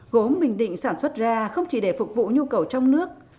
gốm bình định sản xuất ra không chỉ để phục vụ nhu cầu trong nước